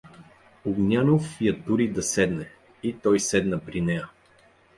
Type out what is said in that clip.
Огнянов я тури да седне и той седна при нея.